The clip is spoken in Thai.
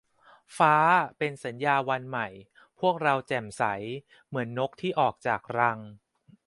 ฟ้า เป็นสัญญาวันใหม่ พวกเราแจ่มใส เหมือนนกที่ออกจากรัง